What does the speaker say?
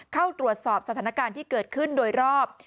เข้าตรวจสอบสถานการณ์ที่เกิดขึ้นโดยรอบ